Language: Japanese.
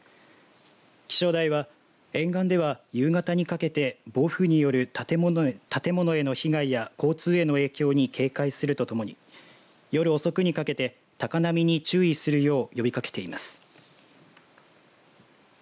気象台は、沿岸では夕方にかけて暴風による建物への被害や交通への影響に警戒するとともに夜遅くにかけて高波に注意するよう呼びかけています。